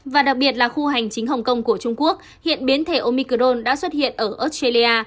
và đặc biệt là khu hành chính hồng kông của trung quốc hiện biến thể omicron đã xuất hiện ở australia